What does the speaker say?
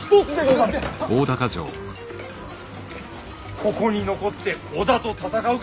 ここに残って織田と戦うか